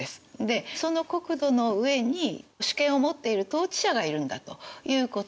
でその国土の上に主権を持っている統治者がいるんだということです。